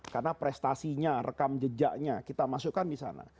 karena prestasinya rekam jejaknya kita masukkan di sana